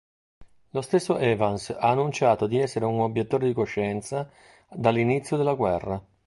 Lo stesso Evans ha annunciato di essere un obiettore di coscienza dall'inizio della guerra.